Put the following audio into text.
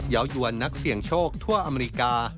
ยาวยวนนักเสี่ยงโชคทั่วอเมริกา